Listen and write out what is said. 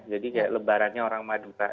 jadi kayak lebarannya orang madura